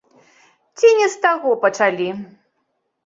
Ці не з таго пачалі.